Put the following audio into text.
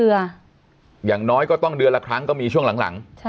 เดือนละ๒๓ครั้งหลังก็อย่างน้อยก็ต้องเดือนละครั้งก็มีช่วงหลัง